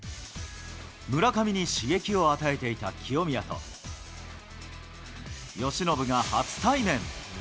村上に刺激を与えていた清宮と、由伸が初対面。